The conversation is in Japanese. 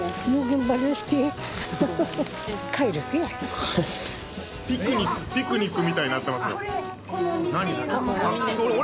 ピクニックピクニックみたいになってますよ！